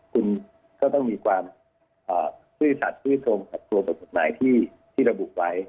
คุณก็ต้องมีความซื่อสัตว์ซื่อตรงกับตัวบทกฎหมายที่ระบุไว้